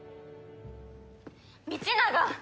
道長！